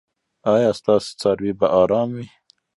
ایا ستاسو څاروي به ارام وي؟